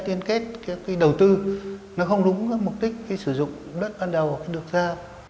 để tiên kết cái đầu tư nó không đúng mục đích cái sử dụng đất ban đầu được ra